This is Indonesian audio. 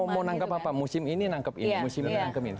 mau nangkep apa musim ini nangkep ini